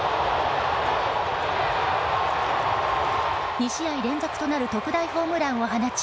２試合連続となる特大ホームランを放ち